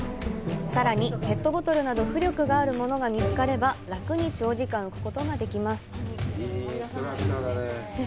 さらに、ペットボトルなど浮力があるものが見つかれば楽に長時間、浮くことができます。